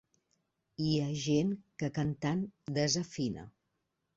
Hi ha gent que cantant desafina.